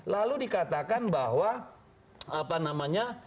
lalu dikatakan bahwa apa namanya